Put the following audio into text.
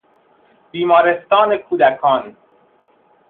بیمارستان کودکان